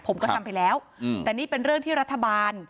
ผมก็ทำไปแล้วแต่นี่เป็นเรื่องที่รัฐบาล